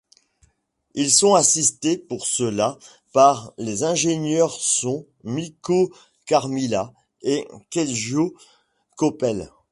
Ils sont assistés pour cela par les ingénieurs-son Mikko Karmila et Keijo Koppel.